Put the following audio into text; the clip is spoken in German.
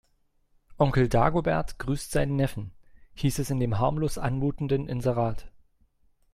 Onkel Dagobert grüßt seinen Neffen, hieß es in dem harmlos anmutenden Inserat.